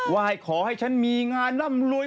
ไหว้ขอให้ฉันมีงานร่ำรวย